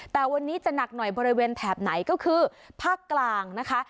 แต่วันนี้จะหนักหน่อยบริเวณแถบไหนก็คือภาคกลางนะคะ